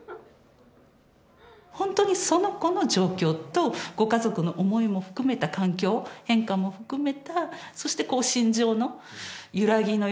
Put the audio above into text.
本当にその子の状況とご家族の思いも含めた環境変化も含めたそして心情の揺らぎのようなものですね。